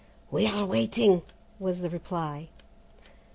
"We are waiting," was the reply.